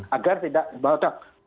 agar tidak dibatalkan